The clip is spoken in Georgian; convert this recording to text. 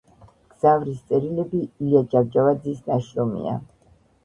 "მგზავრის წერილები"ილია ჭავჭავაძის ნაშრომია